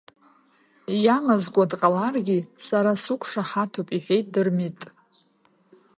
Иамазкуа дҟаларгьы, сара суқәшаҳаҭуп, — иҳәеит Дырмит.